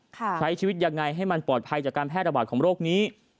ใช้ชีวิตยังไงให้มันปลอดภัยจากการแพร่ระบาดของโรคนี้